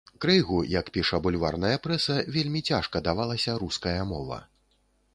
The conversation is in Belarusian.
Крэйгу, як піша бульварная прэса, вельмі цяжка давалася руская мова.